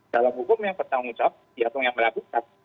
dalam hukum yang pertama ucap diatung yang melakukan